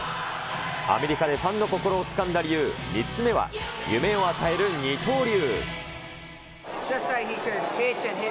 アメリカでファンの心をつかんだ理由、３つ目は夢を与える二刀流。